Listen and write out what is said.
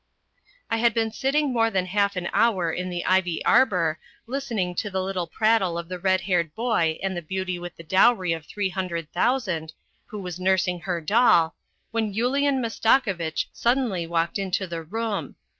I had been sitting more than half an hour in the ivy arbour, listening to the little prattle of the red haired boy and the beauty with the dowry of three hundred thousand, who was Miirsinjf her doll, when Yulian Mastakovitch suddenly walked into the room.